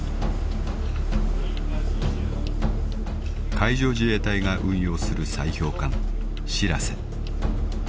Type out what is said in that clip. ［海上自衛隊が運用する砕氷艦しらせ］